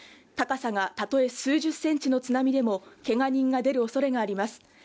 高さがたとえ数１０センチの津波でもけが人が出るおそれがあります。